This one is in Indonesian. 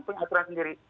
punya aturan sendiri